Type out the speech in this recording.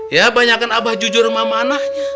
ya banyak kan abah jujur sama amanah